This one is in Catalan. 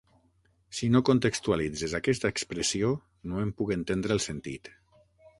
Si no contextualitzes aquesta expressió, no en puc entendre el sentit.